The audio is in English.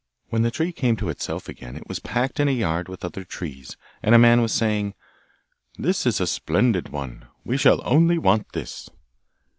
When the tree came to itself again it was packed in a yard with other trees, and a man was saying, 'This is a splendid one, we shall only want this.